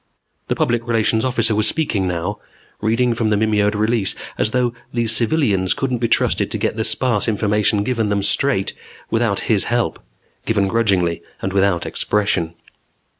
The Public Relations Officer was speaking now, reading from the mimeoed release as though these civilians couldn't be trusted to get the sparse information given them straight without his help, given grudgingly and without expression.